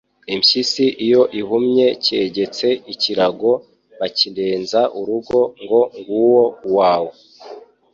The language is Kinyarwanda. Impyisi iyo ihumye cyegetse, ikirago bakirenza urugo ngo Ng’uwo uwawe